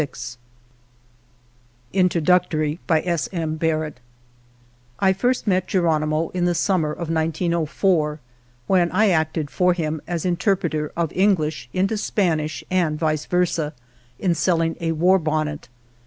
210 INTRODUCTORY I first met Geronimo in the summer of 1904, when I acted for him as interpreter of English into Spanish, and vice versa, in sell ing a war bonnet.